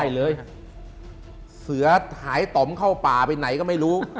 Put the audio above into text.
เสือหายต่อมเข้าป่าไปไหนก็ไม่รู้